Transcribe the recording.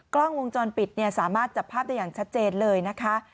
กล้องวงจรปิดสามารถจับภาพได้อย่างชัดเจนเลยนะคะ